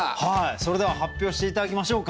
それでは発表して頂きましょうか。